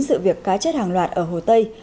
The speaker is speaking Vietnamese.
sự việc cá chết hàng loạt ở hồ tây